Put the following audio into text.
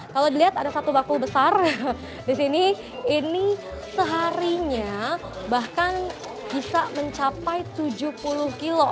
kalau dilihat ada satu bakul besar di sini ini seharinya bahkan bisa mencapai tujuh puluh kilo